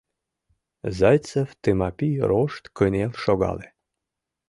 — Зайцев Тымапи рошт кынел шогале.